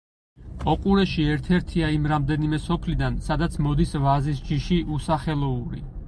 ოყურეში ერთ-ერთია იმ რამდენიმე სოფლიდან, სადაც მოდის ვაზის ჯიში უსახელოური.